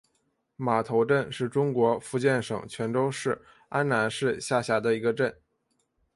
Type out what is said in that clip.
码头镇是中国福建省泉州市南安市下辖的一个镇。